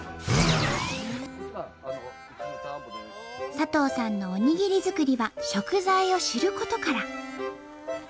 佐藤さんのおにぎり作りは食材を知ることから。